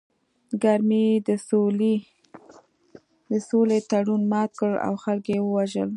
کرمي د سولې تړون مات کړ او خلک یې ووژل